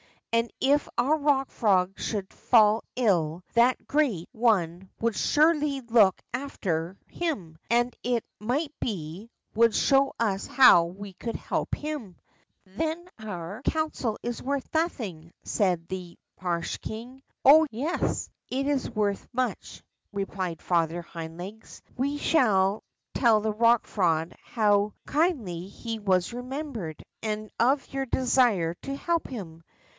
And, if our Rock Frog should fall ill, that great One would surely look after him, and, it might be, would show us how we could help him.'' Then our council is worth nothing," said the marsh king. Oh, yes, it is worth much," replied Father Hind Legs. We shall tell the Rock Frog how kindly he was remembered, and of your desire to help him.